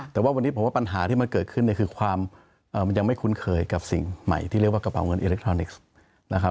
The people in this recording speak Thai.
แต่ว่าวันนี้ผมว่าปัญหาที่มันเกิดขึ้นเนี่ยคือความมันยังไม่คุ้นเคยกับสิ่งใหม่ที่เรียกว่ากระเป๋าเงินอิเล็กทรอนิกส์นะครับ